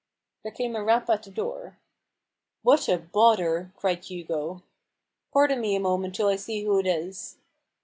There came a rap at the door. " What a bother 1 " cried Hugo. " Pardon me a moment till I see who it is."